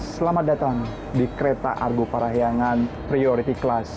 selamat datang di kereta argo parahyangan priority class